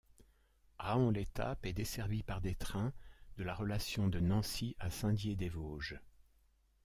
Raon-l'Étape est desservie par des trains de la relation de Nancy à Saint-Dié-des-Vosges.